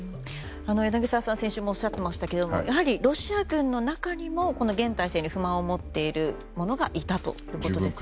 柳澤さん、先週もおっしゃっていましたがやはりロシア軍の中にも現体制に不満を持っている者がいたということですよね。